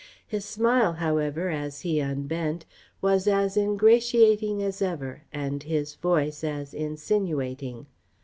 His smile, however, as he unbent, was as ingratiating as ever and his voice as insinuating.